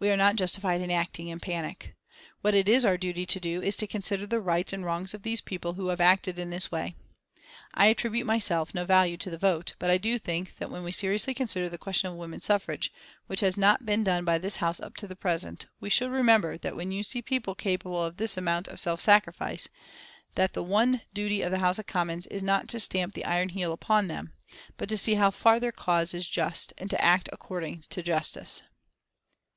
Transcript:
We are not justified in acting in panic. What it is our duty to do is to consider the rights and wrongs of these people who have acted in this way. I attribute myself no value to the vote, but I do think that when we seriously consider the question of Woman Suffrage, which has not been done by this House up to the present, we should remember that when you see people capable of this amount of self sacrifice, that the one duty of the House of Commons is not to stamp the iron heel upon them, but to see how far their cause is just, and to act according to justice."